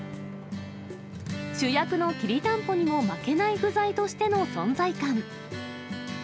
主役のきりたんぽにも負けない具材としての存在感。